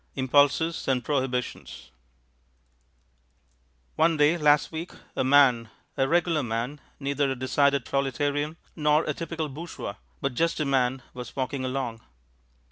Impulses and Prohibitions One day last week a man a regular man, neither a decided proletarian nor a typical bourgeois but just a man was walking along.